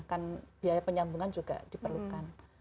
kan biaya penyambungan juga diperlukan